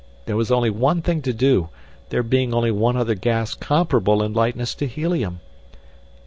There was only one thing to do, there being only one other gas comparable in lightness to helium.